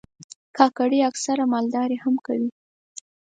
کاکړي اکثره مالداري هم کوي.